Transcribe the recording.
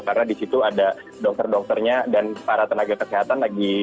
karena di situ ada dokter dokternya dan para tenaga kesehatan lagi